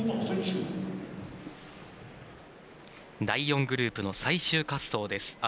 第４グループの最終滑走です。